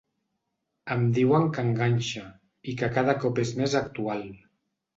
Em diuen que enganxa i que cada cop és més actual.